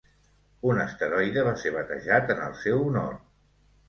Un asteroide va ser batejat en el seu honor.